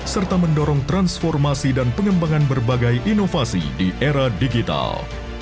serta mendorong transformasi dan pengembangan berbagai inovasi di era digital